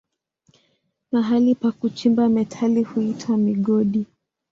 Mahali pa kuchimba metali huitwa migodi.